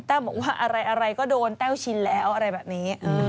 บอกว่าอะไรก็โดนแต้วชินแล้วอะไรแบบนี้